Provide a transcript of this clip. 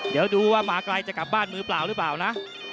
เดี๋ยวดูว่าหมาไกลจะกลับบ้านมือเปล่าหรือเปล่านะ